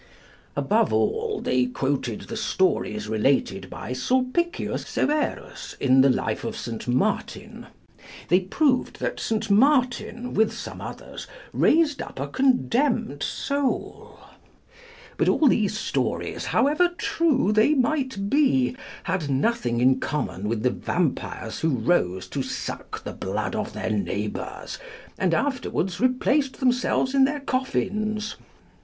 Above all, they quoted the stories related by Sulpicius Severus, in the life of St. Martin. They proved that St. Martin, with some others, raised up a condemned soul. But all these stories, however true they might be, had nothing in common with the vampires who rose to suck the blood of their neighbors, and afterwards replaced themselves in their coffins.